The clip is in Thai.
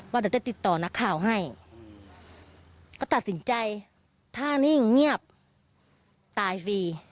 เดี๋ยวจะติดต่อนักข่าวให้ก็ตัดสินใจถ้านิ่งเงียบตายฟรี